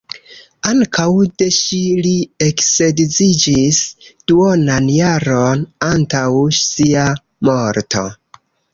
Ankaŭ de ŝi li eksedziĝis duonan jaron antaŭ sia morto.